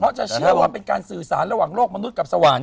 เพราะจะเชื่อว่าเป็นการสื่อสารระหว่างโลกมนุษย์กับสวรรค์